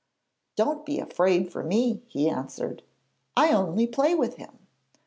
'Don't be afraid for me,' he answered; 'I only play with him.